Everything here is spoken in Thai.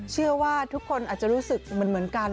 เชื่อว่าทุกคนอาจจะรู้สึกเหมือนกัน